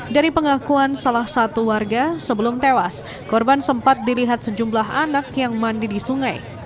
dari pengakuan salah satu warga sebelum tewas korban sempat dilihat sejumlah anak yang mandi di sungai